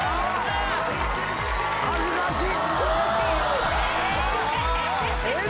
あ恥ずかしい。